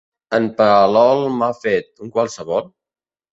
En Palol m'ha fet, un qualsevol?